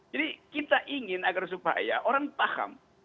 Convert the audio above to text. jadi kita ingin agar supaya orang paham